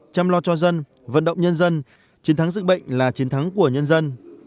chăm lo cho dân vận động nhân dân chiến thắng dịch bệnh là chiến thắng của nhân dân